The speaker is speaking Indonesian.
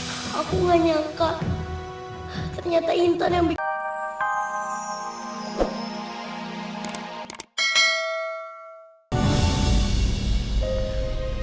aku gak nyangka ternyata intan yang membuat mama sakit